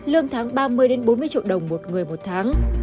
lương tháng ba mươi bốn mươi triệu đồng một người một tháng